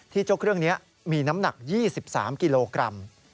เจ้าเครื่องนี้มีน้ำหนัก๒๓กิโลกรัม